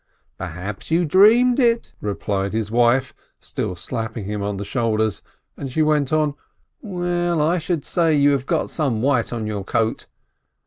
ha?" "Perhaps you dreamt it/' replied his wife, still slap ping him on the shoulders, and she went on, "Well, I should say you had got some white on your coat!"